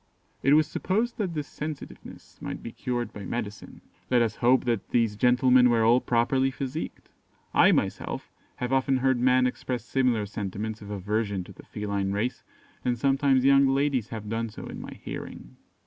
It was supposed that this sensitiveness might be cured by medicine. Let us hope that these gentlemen were all properly physicked. I myself have often heard men express similar sentiments of aversion to the feline race; and sometimes young ladies have done so in my hearing.